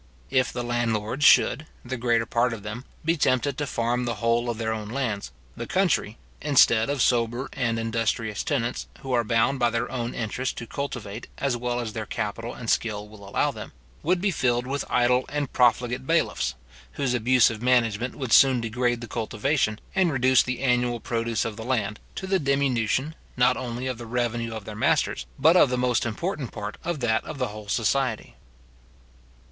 If the landlords should, the greater part of them, be tempted to farm the whole of their own lands, the country (instead of sober and industrious tenants, who are bound by their own interest to cultivate as well as their capital and skill will allow them) would be filled with idle and profligate bailiffs, whose abusive management would soon degrade the cultivation, and reduce the annual produce of the land, to the diminution, not only of the revenue of their masters, but of the most important part of that of the whole society.